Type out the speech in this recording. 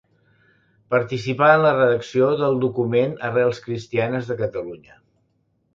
Participà en la redacció del document Arrels cristianes de Catalunya.